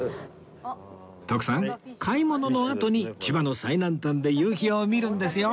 徳さん買い物のあとに千葉の最南端で夕日を見るんですよ